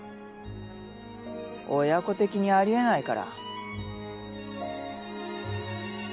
親子的にありえないから。